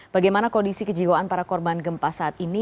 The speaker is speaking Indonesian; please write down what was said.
bagaimana kondisi kejiwaan para korban gempa saat ini